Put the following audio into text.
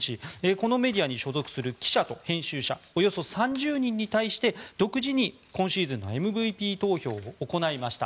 このメディアに所属する記者と編集者およそ３０人に対して独自に今シーズンのＭＶＰ投票を行いました。